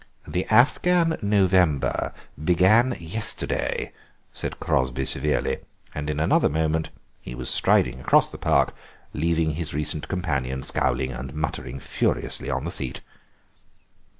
"The Afghan November began yesterday," said Crosby severely, and in another moment he was striding across the Park, leaving his recent companion scowling and muttering furiously on the seat.